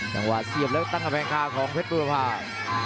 สามวาดเกุดเพิ่มแล้วตั้งแผงทางของเผ็ดบุรภาพ